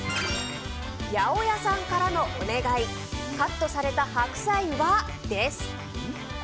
今日のワードは「八百屋さんからのお願いカットされた白菜は」です。